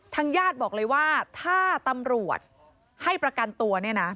ญาติบอกเลยว่าถ้าตำรวจให้ประกันตัวเนี่ยนะ